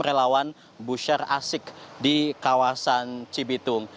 relawan busyar asyik di kawasan cibitung